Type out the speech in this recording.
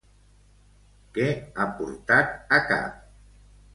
Què ha portat a cap?